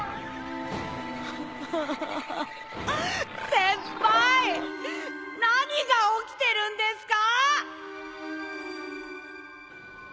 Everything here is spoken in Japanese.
先輩何が起きてるんですか！